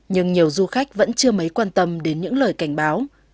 nhưng nhiều du khách vẫn chưa mấy quan tâm đến những lời cảnh báo